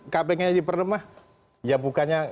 kpk diperlemah ya bukannya